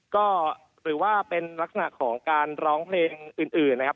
ก็หรือว่าเป็นลักษณะของการร้องเพลงอื่นนะครับ